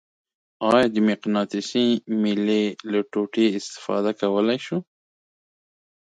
آیا د مقناطیسي میلې له ټوټې استفاده کولی شو؟